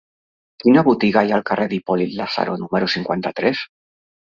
Quina botiga hi ha al carrer d'Hipòlit Lázaro número cinquanta-tres?